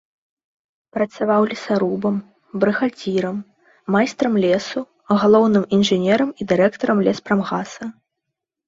Працаваў лесарубам, брыгадзірам, майстрам лесу, галоўным інжынерам і дырэктарам леспрамгаса.